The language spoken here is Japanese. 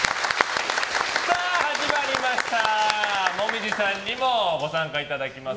さあ、始まりました紅葉さんにもご参加いただきます。